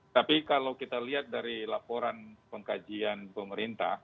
tapi kalau kita lihat dari laporan pengkajian pemerintah